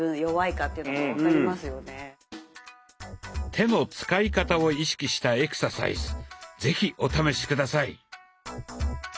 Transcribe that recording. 手の使い方を意識したエクササイズ是非お試し下さい。